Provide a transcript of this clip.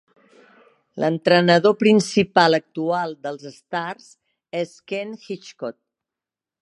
L"entrenador principal actual dels Stars és Ken Hitchcock.